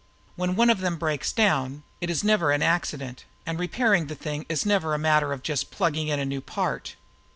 When one of them breaks down, it is never an accident, and repairing the thing is never a matter of just plugging in a new part."